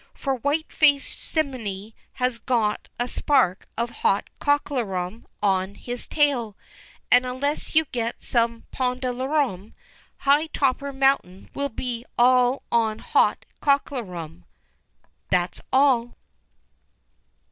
For white faced simminy has got a spark of hot cockalorum on its tail, and unless you get some pondalorum, high topper mountain will be all on hot cockalorum." ... That's all.